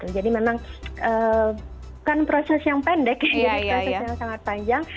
jadi memang kan proses yang pendek proses yang sangat panjang